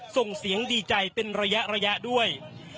ส่งเสียงดีใจเป็นระยะด้วย